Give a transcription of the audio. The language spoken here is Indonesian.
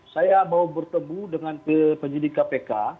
saya mau bertemu dengan penyidik kpk